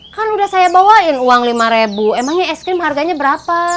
kan udah saya bawain uang lima emangnya es krim harganya berapa